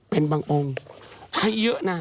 เป็นบางองค์ใช้เยอะนะ